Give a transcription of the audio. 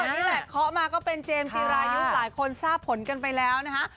นี่แหละเคาะมาก็เป็นเจมส์จีรายุหลายคนทราบผลกันไปแล้วนะคะ